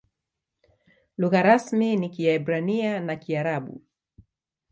Lugha rasmi ni Kiebrania na Kiarabu.